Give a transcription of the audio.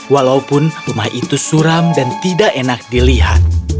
walaupun rumah itu suram dan tidak enak dilihat